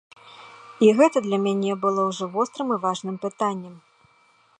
І гэта для мяне было ўжо вострым і важным пытаннем.